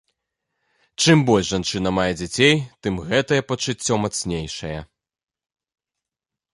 Чым больш жанчына мае дзяцей, тым гэтае пачуццё мацнейшае.